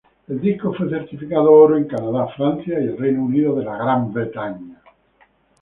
El disco fue certificado Oro en Canadá, Francia y el Reino Unido.